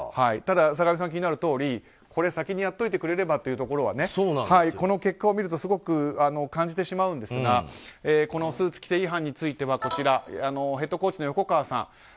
ただ、坂上さんが気になるとおり先にやっといてくれればというところはこの結果を見るとすごく感じてしまうんですがこのスーツ規定違反についてはヘッドコーチの横川さん。